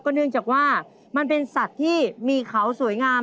เนื่องจากว่ามันเป็นสัตว์ที่มีเขาสวยงาม